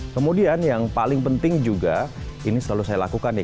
kemudian yang paling penting juga ini selalu saya lakukan nih